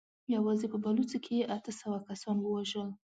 يواځې په بلوڅو کې يې اته سوه کسان ووژل.